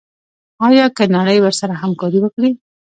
آیا که نړۍ ورسره همکاري وکړي؟